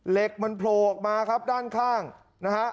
เหล็กมันโผล่ออกมาครับด้านข้างนะฮะ